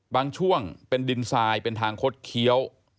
บางช่วงเป็นดินทรายเป็นทางคดเคี้ยว